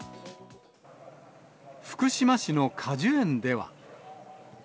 福島市の果樹園では。